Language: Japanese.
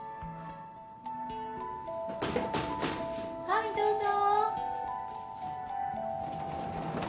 ・はいどうぞ。